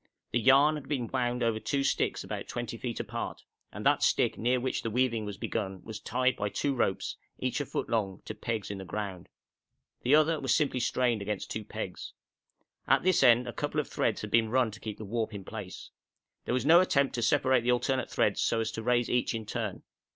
The yarn had been wound over two sticks about 20 feet apart, and that stick near which the weaving was begun was tied by two ropes, each a foot long, to pegs in the ground. The other was simply strained against two pegs. At this end a couple of threads had been run to keep the warp in place. There was no attempt to separate the alternate threads so as to raise each in turn.